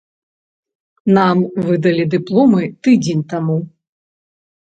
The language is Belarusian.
Нам выдалі дыпломы тыдзень таму.